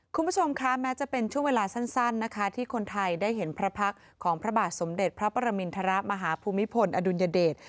คุณผู้ชมคะแม้จะเป็นช่วงเวลาสั้นนะคะที่คนไทยได้เห็นพระพักษ์ของพระบาทสมเด็จพระประมินทรมาฮภูมิพลอดุลยเดช